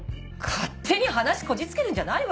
勝手に話こじつけるんじゃないわよ。